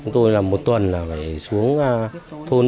tôi làm một tuần là phải xuống thôn